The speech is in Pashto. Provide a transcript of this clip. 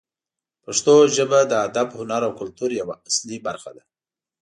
پښتو ژبه د ادب، هنر او کلتور یوه اصلي برخه ده.